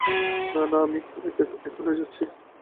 না, না, আমি এখনই যাচ্ছি।